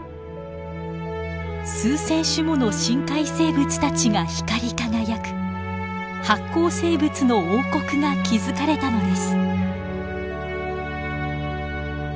数千種もの深海生物たちが光り輝く発光生物の王国が築かれたのです。